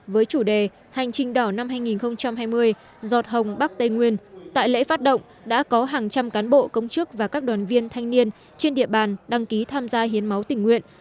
với chủ đề hành trình đỏ năm hai nghìn hai mươi giọt hồng bắc tây nguyên tại lễ phát động đã có hàng trăm cán bộ công chức và các đoàn viên thanh niên trên địa bàn đăng ký tham gia hiến máu tình nguyện